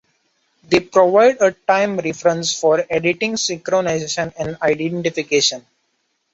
They provide a time reference for editing, synchronization and identification.